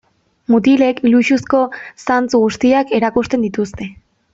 Mutilek luxuzko zantzu guztiak erakusten dituzte.